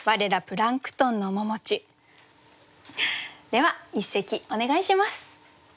では一席お願いします。